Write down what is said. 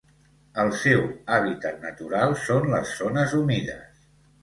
El seu hàbitat natural són les zones humides.